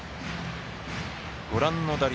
ご覧の打率。